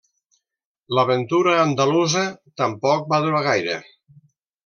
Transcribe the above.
L'aventura andalusa tampoc va durar gaire.